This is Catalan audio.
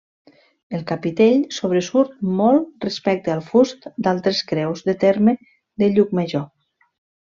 El capitell sobresurt molt respecte al fust d'altres creus de terme de Llucmajor.